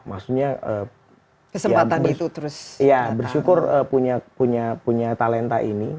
maksudnya kesehatan bersyukur punya talenta ini